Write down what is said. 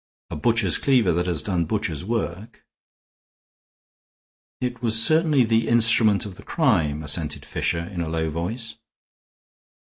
"A butcher's cleaver that has done butcher's work." "It was certainly the instrument of the crime," assented Fisher, in a low voice.